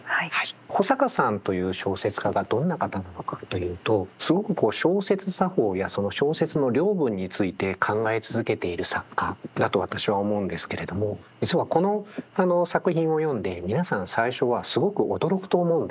保坂さんという小説家がどんな方なのかというとすごくこう小説作法やその小説の領分について考え続けている作家だと私は思うんですけれども実はこの作品を読んで皆さん最初はすごく驚くと思うんですよ。